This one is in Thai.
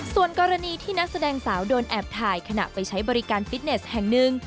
ส่วนกรณีที่นักแสดงสาวโดนแอบถ่ายขณะไปใช้บริการฟิตเนสแห่งหนึ่ง